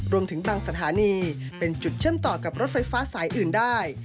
รวมถึงบางสถานีเป็นจุดเชื่อมต่อกับรถไฟฟ้าสายอื่นได้